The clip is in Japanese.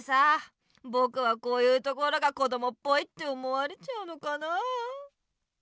ぼくはこういうところがこどもっぽいって思われちゃうのかなあ。